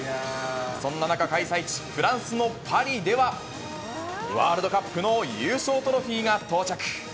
そんな中、開催地、フランスのパリでは、ワールドカップの優勝トロフィーが到着。